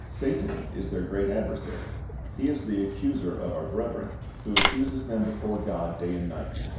Satan is their great adversary. He is the "accuser of our brethren," who accuses them before God day and night.